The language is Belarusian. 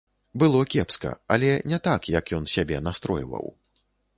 Было кепска, але не так, як ён сябе настройваў.